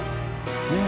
ねえ。